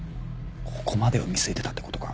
ここまでを見据えてたってことか？